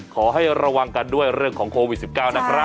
ขอให้ระวังกันด้วยเรื่องของโควิด๑๙นะครับ